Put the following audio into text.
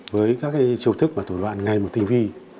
với các chiều thức và thủ đoạn ngay một tinh vi